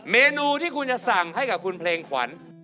เมนูที่คุณจะสั่งให้กับคุณเพลงขวัญ